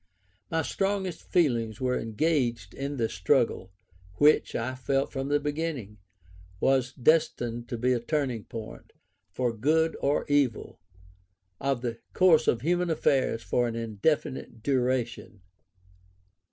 My strongest feelings were engaged in this struggle, which, I felt from the beginning, was destined to be a turning point, for good or evil, of the course of human affairs for an indefinite duration.